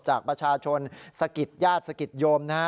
จากประชาชนศกิจญาติศกิจโยม